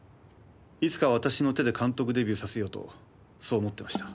いつか私の手で監督デビューさせようとそう思ってました。